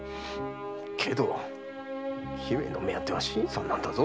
けど姫の目当ては新さんなんだぞ。